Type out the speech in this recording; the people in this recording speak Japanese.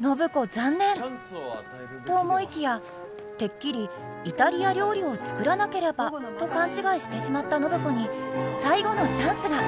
暢子残念！と思いきやてっきりイタリア料理を作らなければと勘違いしてしまった暢子に最後のチャンスが。